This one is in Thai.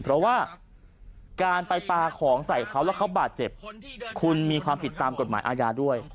เพราะว่าการไปปลาของใส่เขาแล้วเขาบาดเจ็บคุณมีความผิดตามกฎหมายอาญาด้วย